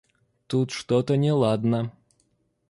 Тут что-то неладно.